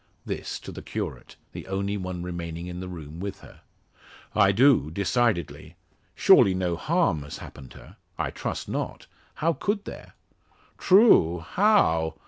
This to the curate, the only one remaining in the room with her. "I do, decidedly. Surely no harm has happened her. I trust not. How could there?" "True, how?